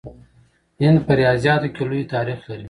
هند په ریاضیاتو کې لوی تاریخ لري.